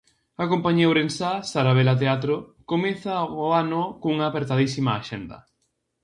A compañía ourensá Sarabela Teatro comeza o ano cunha apertadísima axenda.